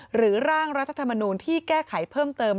ร่างรัฐธรรมนูลที่แก้ไขเพิ่มเติม